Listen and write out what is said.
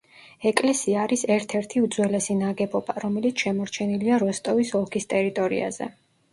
ეკლესია არის ერთ-ერთი უძველესი ნაგებობა, რომელიც შემორჩენილია როსტოვის ოლქის ტერიტორიაზე.